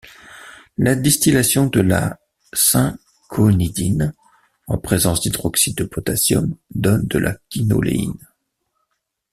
La distillation de la cinchonidine en présence d'hydroxyde de potassium donne de la quinoléine.